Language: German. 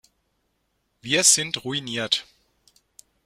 Wir sind ruiniert.